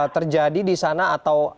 terjadi di sana atau